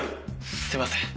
すいません。